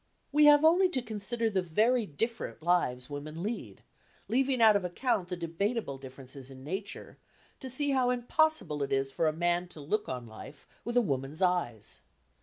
We have only to consider the very different lives women lead, leaving out of account the debatable differences in nature, to see how impossible it is for a man to look on life with a woman's eyes.